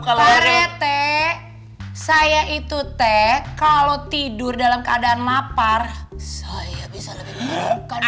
parete saya itu teh kalau tidur dalam keadaan lapar saya bisa lebih makan